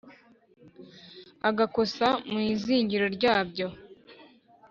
Agakosa mu izingiro ryabyo